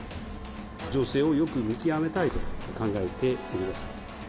情勢をよく見極めたいと考えております。